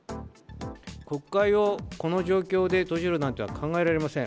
国会をこの状況で閉じるなんていうのは考えられません。